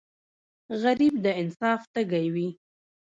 غریب د انصاف تږی وي